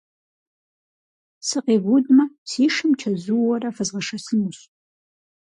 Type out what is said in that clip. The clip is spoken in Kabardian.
Сыкъивудмэ, си шым чэзуурэ фызгъэшэсынущ.